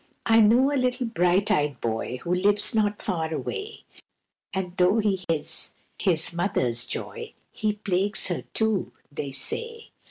I KNOW a little bright eyed boy Who lives not far away, And though he is his mother's joy, He plagues her, too, they say.